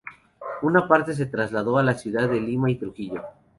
Una parte se trasladó a la ciudad de Lima y Trujillo.